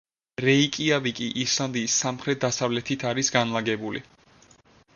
რეიკიავიკი ისლანდიის სამხრეთ-დასავლეთით არის განლაგებული.